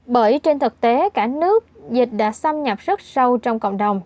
bởi trên thực tế cả nước dịch đã xâm nhập rất sâu trong cộng đồng